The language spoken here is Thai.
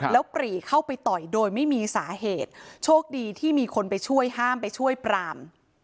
แล้วปรีเข้าไปต่อยโดยไม่มีสาเหตุโชคดีที่มีคนไปช่วยห้ามไปช่วยปราม